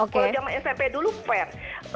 kalau zaman smp dulu fair